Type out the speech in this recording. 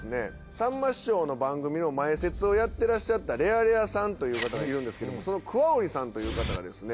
さんま師匠の番組の前説をやってらっしゃったレアレアさんという方がいるんですけどもその桑折さんという方がですね